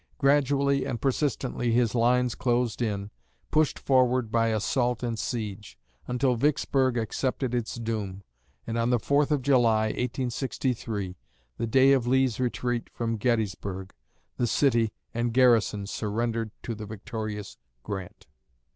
Gradually and persistently his lines closed in, pushed forward by assault and siege; until Vicksburg accepted its doom, and on the 4th of July, 1863, the day of Lee's retreat from Gettysburg, the city and garrison surrendered to the victorious Grant.